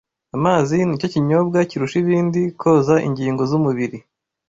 Amazi ni cyo kinyobwa kirusha ibindi koza ingingo z’umubiri